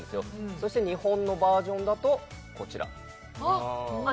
そして日本のバージョンだとこちら・あっ